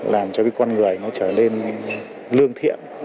làm cho cái con người nó trở lên lương thiện